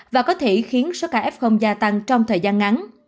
và có thể khiến số ca f gia tăng trong thời gian ngắn